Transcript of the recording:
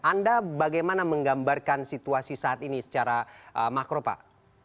anda bagaimana menggambarkan situasi saat ini secara makro pak